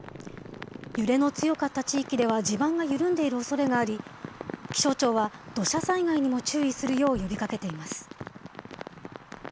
揺れの強かった地域では地盤が緩んでいるおそれがあり、気象庁は土砂災害にも注意するよう呼びかけています。